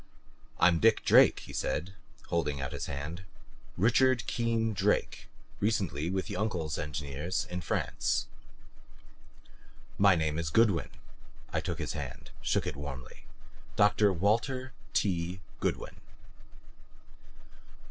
"I'm Dick Drake," he said, holding out his hand. "Richard Keen Drake, recently with Uncle's engineers in France." "My name is Goodwin." I took his hand, shook it warmly. "Dr. Walter T. Goodwin."